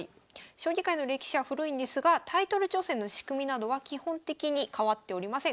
将棋界の歴史は古いんですがタイトル挑戦の仕組みなどは基本的に変わっておりません。